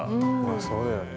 そうだよね。